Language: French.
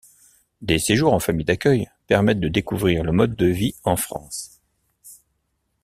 Des séjours en famille d'accueil permettent de découvrir le mode de vie en France.